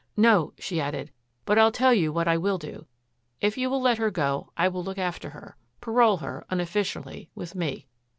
"No," she added, "but I'll tell you what I will do. If you will let her go I will look after her. Parole her, unofficially, with me."